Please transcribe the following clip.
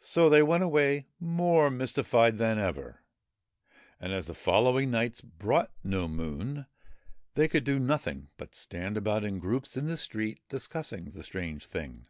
So they went away more mystified than ever, and, as the follow ing nights brought no Moon, they could do nothing but stand about in groups in the streets discussing the strange thing.